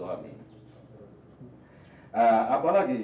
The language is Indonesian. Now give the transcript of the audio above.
apalagi ibu bisa menyentuh emosinya